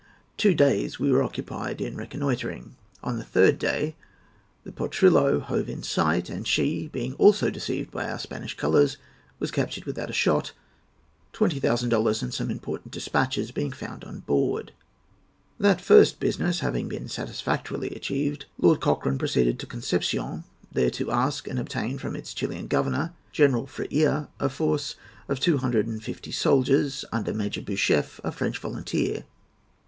Two days were occupied in reconnoitring. On the third day the Potrillo hove in sight, and she, being also deceived by our Spanish colours, was captured without a shot, twenty thousand dollars and some important despatches being found on board." That first business having been satisfactorily achieved, Lord Cochrane proceeded to Concepcion, there to ask and obtain from its Chilian governor, General Freire, a force of two hundred and fifty soldiers, under Major Beauchef, a French volunteer.